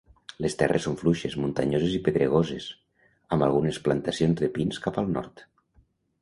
Les terres són fluixes, muntanyoses i pedregoses, amb algunes plantacions de pins cap al nord.